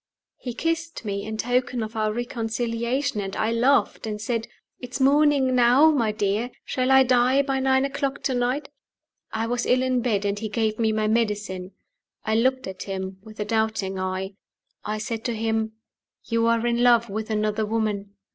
He kissed me, in token of our reconciliation; and I laughed, and said, "It's morning now, my dear. Shall I die by nine o'clock to night?" I was ill in bed, and he gave me my medicine. I looked at him with a doubting eye. I said to him, "You are in love with another woman.